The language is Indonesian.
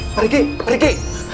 pak riki pak riki